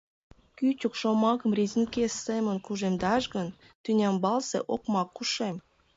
Кӱчык шомакым резинке семын кужемдаш гын, Тӱнямбалсе Окмак Ушем...